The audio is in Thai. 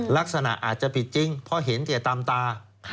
ลักษณะอาจจะผิดจริงเพราะเห็นแก่ตามตา